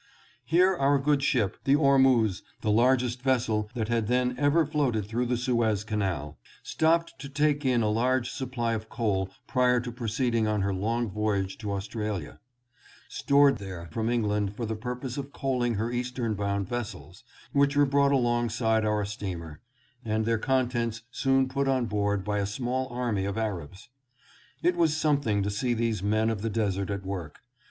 Here our good ship, the Ormuz, the largest vessel that had then ever floated through the Suez Canal, stopped to take in a large supply of coal prior to proceeding on her long voyage to Australia. Great barges loaded with this fuel stored there from England for the purpose of coaling her eastern bound vessels, were brought alongside of our steamer and their contents soon put on board by a small army of Arabs. It was something to see these men of the desert at work.